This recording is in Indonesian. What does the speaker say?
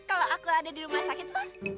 kalau aku ada di rumah sakit